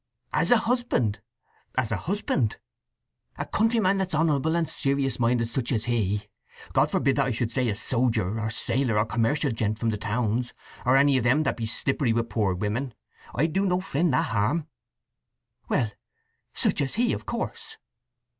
"As a husband." "As a husband." "A countryman that's honourable and serious minded such as he; God forbid that I should say a sojer, or sailor, or commercial gent from the towns, or any of them that be slippery with poor women! I'd do no friend that harm!" "Well, such as he, of course!"